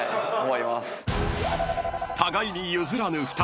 ［互いに譲らぬ２人］